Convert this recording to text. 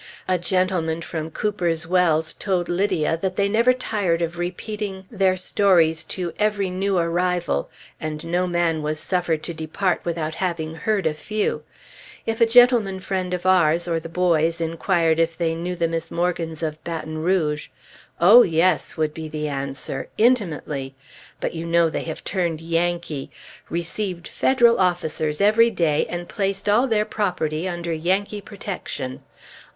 A gentleman from Cooper's Wells told Lydia that they never tired of repeating their stories to every new arrival; and no man was suffered to depart without having heard a few. If a gentleman friend of ours or the boys inquired if they knew the Miss Morgans of Baton Rouge, "Oh, yes!" would be the answer, "intimately! But you know they have turned Yankee. Received Federal officers every day, and placed all their property under Yankee protection.